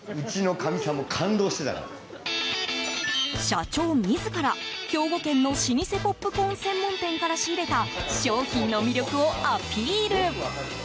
社長自ら、兵庫県の老舗ポップコーン専門店から仕入れた商品の魅力をアピール。